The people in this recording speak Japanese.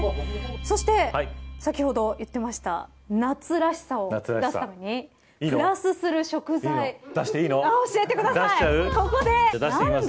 そして、先ほど言っていました夏らしさを出すためにプラスする食材教えてください。